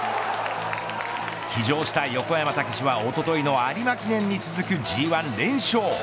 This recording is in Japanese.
騎乗した横山武史はおとといの有馬記念に続くＧ１連勝。